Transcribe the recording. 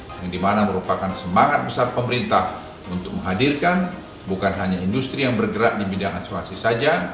yang dimana merupakan semangat besar pemerintah untuk menghadirkan bukan hanya industri yang bergerak di bidang asuransi saja